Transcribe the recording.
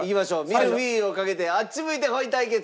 ミルフィーユをかけてあっち向いてホイ対決。